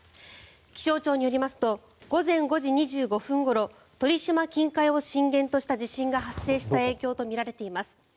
気象庁によりますと午前５時２５分ごろ鳥島近海を震源とした地震が発生した影響とみられています。